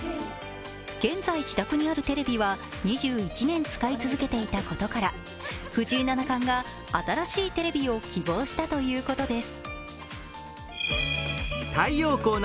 現在、自宅にあるテレビは２１年使い続けていたことから藤井七冠が新しいテレビを希望したということです。